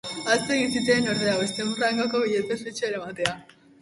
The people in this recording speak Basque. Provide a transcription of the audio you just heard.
Ahaztu egin zitzaien, ordea, bostehun frankoko billete ospetsua eramatea.